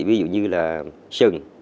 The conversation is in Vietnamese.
ví dụ như là sừng